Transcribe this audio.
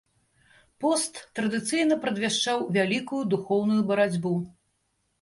Пост традыцыйна прадвяшчаў вялікую духоўную барацьбу.